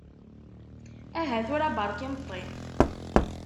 Aha tura barka imeṭṭi.